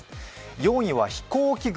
２位は飛行機雲。